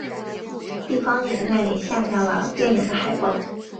地方影院也下架了电影的海报。